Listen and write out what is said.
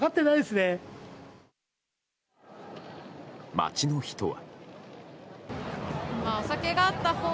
街の人は。